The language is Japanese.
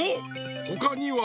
ほかには？